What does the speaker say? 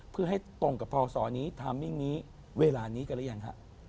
เพื่อให้ตรงกับพระอสรณ์ทำไว้นี้เวลานี้กันหรือยัง